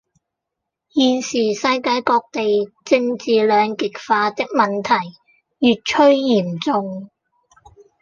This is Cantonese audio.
現時世界各地政治兩極化的問題越趨嚴重